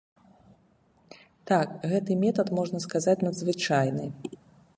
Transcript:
Так, гэты метад, можна сказаць, надзвычайны.